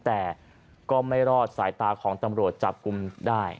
แต่ก็ไม่รอดสายตาของตำรวจจับกลุ่มได้